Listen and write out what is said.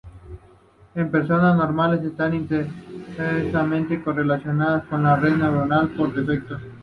En personas normales, está inversamente correlacionada con la Red neuronal por defecto.